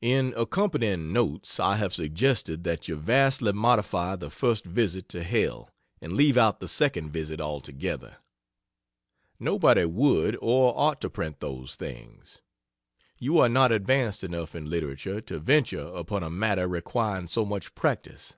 In accompanying notes I have suggested that you vastly modify the first visit to hell, and leave out the second visit altogether. Nobody would, or ought to print those things. You are not advanced enough in literature to venture upon a matter requiring so much practice.